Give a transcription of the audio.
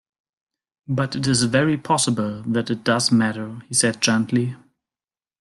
"But it is very possible that it does matter," he said gently.